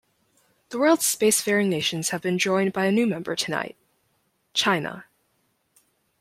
The world's spacefaring nations have been joined by a new member tonight: China.